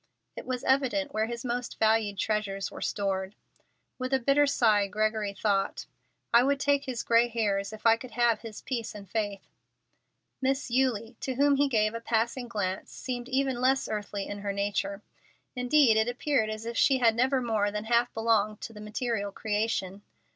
It was evident where his most valued treasures were stored. With a bitter sigh, Gregory thought, "I would take his gray hairs if I could have his peace and faith." Miss Eulie, to whom he gave a passing glance, seemed even less earthly in her nature. Indeed, it appeared as if she had never more than half belonged to the material creation.